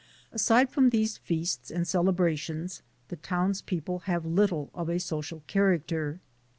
Aside from these feasts and celebrations, the townspeople have little of a social character.